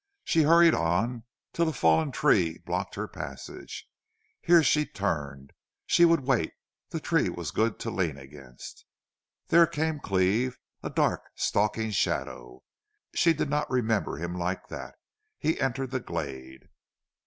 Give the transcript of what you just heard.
She hurried on till a fallen tree blocked her passage. Here she turned she would wait the tree was good to lean against. There came Cleve, a dark, stalking shadow. She did not remember him like that. He entered the glade.